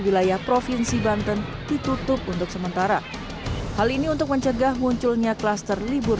wilayah provinsi banten ditutup untuk sementara hal ini untuk mencegah munculnya kluster libur